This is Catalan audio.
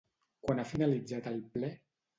Quan ha finalitzat el ple?